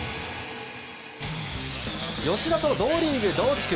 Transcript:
吉田と同リーグ同地区